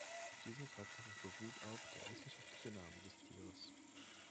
Auf dieser Tatsache beruht auch der wissenschaftliche Name des Tieres.